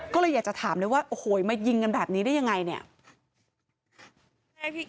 ก็เลยอยากจะถามเลยว่าโอ้โหมายิงกันแบบนี้ได้ยังไงเนี่ย